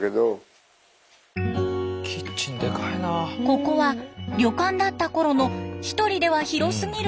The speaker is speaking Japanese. ここは旅館だったころの一人では広すぎるキッチン。